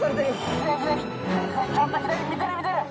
左左ちょっと左見てる見てる。